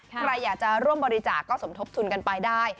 ใครอยากจะร่วมบริจาคก็สมทบทุนกันไปได้